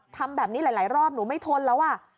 ทำแบบนี้หลายรอบหนูไม่ทนแล้วอ่ะ